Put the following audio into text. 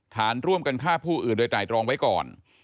ฐานร่วมกันฆ่าผู้อื่นโดยไตรรองไว้ก่อน